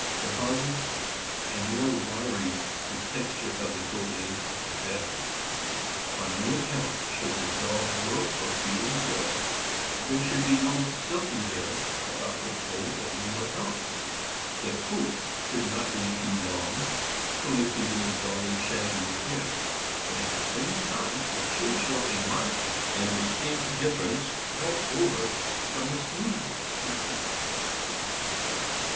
The harder and more wiry the texture of the THE SMOOTH COATED FOX TEREIER. 381 coat is, the better. On no account should the dog look or feel woolly; and there should be no silky hair about the poll or elsewhere. The coat should not be too long, so as to give the dog a shaggy appearance; but at the same time it should show a marked and distinct difference all over from the smooth species.